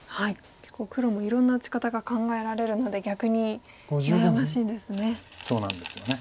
結構黒もいろんな打ち方が考えられるので逆に悩ましいんですね。